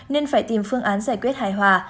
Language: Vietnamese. nên phải tìm phương án giải quyết hài hòa